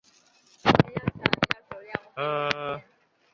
张茜是前香港亚洲电视艺员颜子菲的表姑姑。